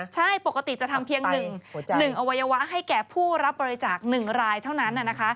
ใช่ปกติจะทำเพียง๑อวัยวะให้แก่ผู้รับบริจาค๑รายเท่านั้น